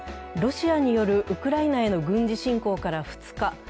ロシアによるウクライナへの軍事侵攻から２日。